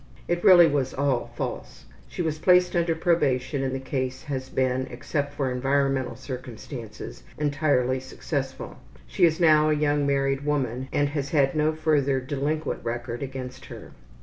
It really was all false. She was placed under probation and the case has been, except for environmental circumstances, entirely successful. She is now a young married woman, and has had no further delinquent record against her.